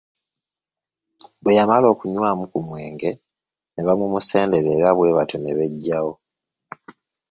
Bwe yamala okunywamu ku mwenge ne bamumusendera era bwe batyo ne beggyawo.